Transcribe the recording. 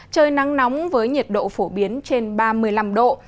trời nắng nóng với nhiệt độ phổ biến trên ba mươi năm độ